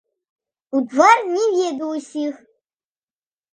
У твар не ведаю ўсіх.